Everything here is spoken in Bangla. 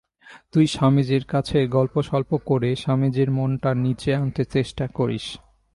তুই স্বামীজীর কাছে গল্পসল্প করে স্বামীজীর মনটা নীচে আনতে চেষ্টা করিস।